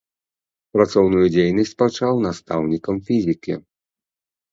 Працоўную дзейнасць пачаў настаўнікам фізікі.